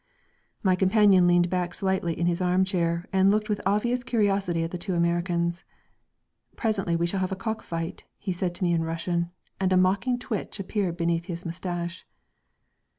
My companion leaned back slightly in his arm chair and looked with obvious curiosity at the two Americans. "Presently we shall have a cock fight," he said to me in Russian, and a mocking twitch appeared beneath his moustache.